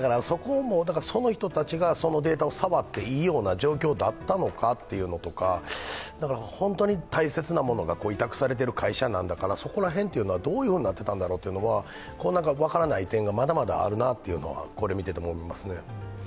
その人たちがそのデータを触っていいような状況だったのかということとか本当に大切なものが委託されている会社なんだからそこら辺はどういうふうになっていたんだろうというのは分からない点がまだまだあるなとこれを見ていても思いますね。